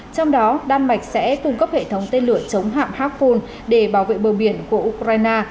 trong đó đan mạch sẽ cung cấp hệ thống tên lửa chống hạm hackhol để bảo vệ bờ biển của ukraine